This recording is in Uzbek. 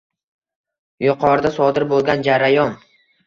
Yuqorida sodir bo’lgan jarayon